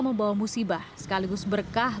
membawa musibah sekaligus berkah